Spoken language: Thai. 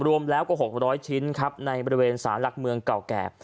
รวมแล้วกว่า๖๐๐ชิ้นครับในบริเวณสารหลักเมืองเก่าแก่